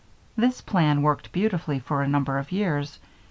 This plan worked beautifully for a number of years.